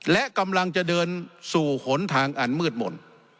และกำลังจะเดินสู่หนทางอันมืดมนต์